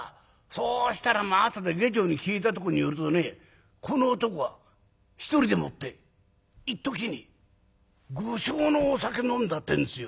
そしたら後で下女に聞いたところによるとねこの男は一人でもって一時に５升のお酒飲んだってんですよ」。